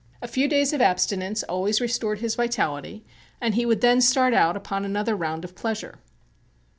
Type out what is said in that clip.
A few days of abstinence always restored his vitality and he would then start out upon another round of pleasure.